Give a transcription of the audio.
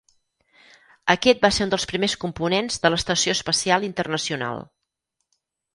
Aquest va ser un dels primers components de l'Estació Espacial Internacional.